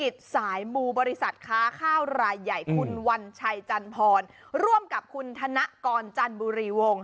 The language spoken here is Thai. ชาญแย่คุณวันชัยจันทรร่วมกับคุณถนะกอนจันบุรีวงศ์